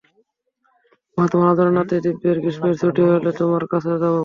মা, তোমার আদরের নাতি দিব্যর গ্রীষ্মের ছুটি হলে তোমার কাছে যাব।